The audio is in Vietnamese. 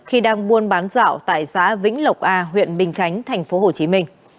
khi đang buôn bán dạo tại xã vĩnh lộc a huyện bình chánh tp hcm